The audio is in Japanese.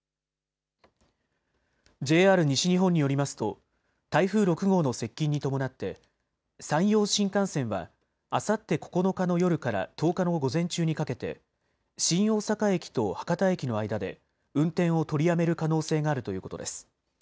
ＪＲ西日本によりますと台風６号の接近に伴って山陽新幹線はあさって９日の夜から１０日の午前中にかけて新大阪駅と博多駅の間で運転を取りやめる可能性があるということです。